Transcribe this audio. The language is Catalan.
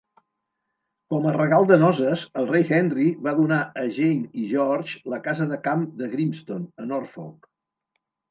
Com a regal de noces, el rei Henry va donar a Jane i George la casa de camp de Grimston, a Norfolk.